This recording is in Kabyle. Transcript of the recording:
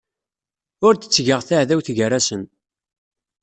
Ur d-ttgeɣ taɛdawt gar-asen.